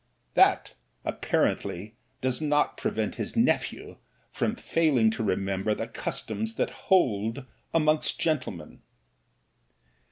"That apparently does not prevent his nephew from failing ^o remember the customs that hold amongst jjcntlemen."